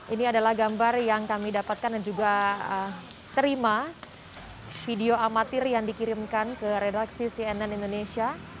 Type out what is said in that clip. ini adalah gambar yang kami dapatkan dan juga terima video amatir yang dikirimkan ke redaksi cnn indonesia